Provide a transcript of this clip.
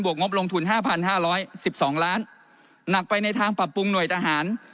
งบลงทุน๕๕๑๒ล้านหนักไปในทางปรับปรุงหน่วยทหาร